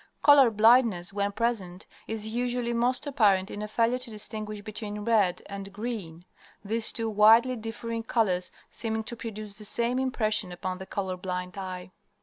Color blindness, when present, is usually most apparent in a failure to distinguish between red and green, these two widely differing colors seeming to produce the same impression upon the color blind eye.